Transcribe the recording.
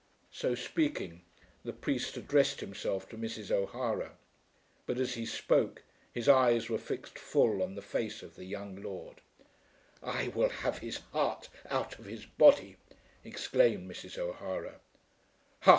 So speaking, the priest addressed himself to Mrs. O'Hara, but as he spoke his eyes were fixed full on the face of the young lord. "I will have his heart out of his body," exclaimed Mrs. O'Hara.